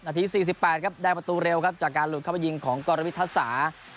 ที๔๘ครับได้ประตูเร็วครับจากการหลุดเข้าไปยิงของกรวิทัศา